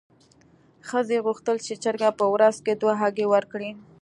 ښځې غوښتل چې چرګه په ورځ کې دوه هګۍ ورکړي.